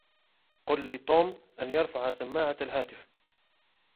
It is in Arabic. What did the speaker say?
قل لتوم أن يرفع سماعة الهاتف.